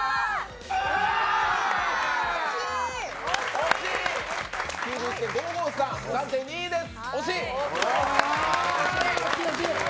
惜しい！９１．５５３、暫定２位です。